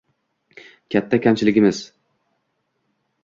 Katta kamchiligimiz